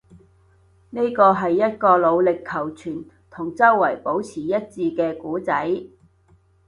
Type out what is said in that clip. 呢個係一個努力求存，同周圍保持一致嘅故仔